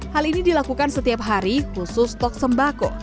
hal ini dilakukan setiap hari khusus stok sembako